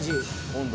温度。